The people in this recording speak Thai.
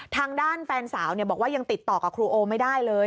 ทางด้านแฟนสาวบอกว่ายังติดต่อกับครูโอไม่ได้เลย